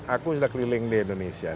aku sudah keliling di indonesia